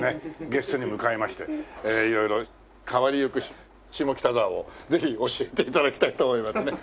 ゲストに迎えまして色々変わりゆく下北沢をぜひ教えて頂きたいと思いますね。